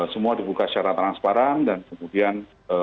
semua dibuka secara transparan dan kemudian